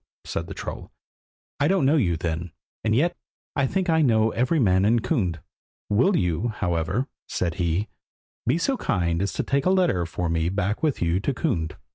said the troll, "I don't know you then. And yet I think I know every man in Kund. Will you, however," said he, "be so kind as to take a letter for me back with you to Kund?"